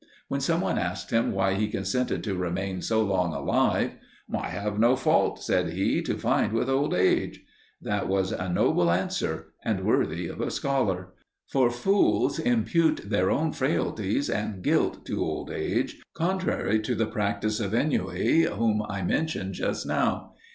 When some one asked him why he consented to remain so long alive "I have no fault," said he, "to find with old age." That was a noble answer, and worthy of a scholar. For fools impute their own frailties and guilt to old age, contrary to the practice of Ennui, whom I mentioned just now.